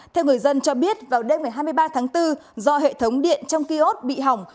theo người dân cho biết vào đêm ngày hai mươi ba tháng bốn do hệ thống điện trong kiosk bị hỏng